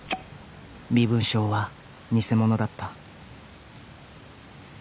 「身分証は偽物だった」